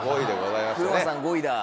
風磨さん５位だ。